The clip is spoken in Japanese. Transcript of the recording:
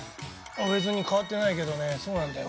別に変わってないけどねそうなんだよ。